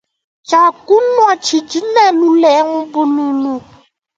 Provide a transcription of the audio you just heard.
Tshia kunua tshidi ne lulengu bululu.